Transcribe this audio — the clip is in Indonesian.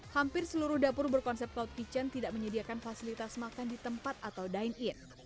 hampir seluruh dapur berkonsep cloud kitchen tidak menyediakan fasilitas makan di tempat atau dine in